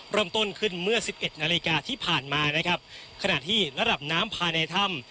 เริ่มต้นขึ้นเมื่อสิบเอ็ดนาฬิกาที่ผ่านมานะครับขณะที่ระดับน้ำภายในถ้ำ